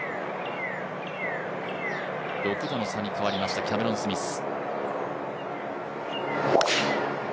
６打の差に変わりました、キャメロン・スミス。